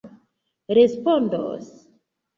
respondos